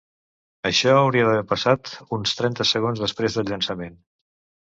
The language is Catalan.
Això hauria d"haver passat uns trenta segons després del llançament.